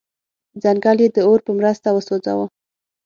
ځنګل یې د اور په مرسته وسوځاوه.